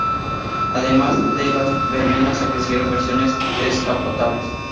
Además de las berlinas, se ofrecieron versiones descapotables.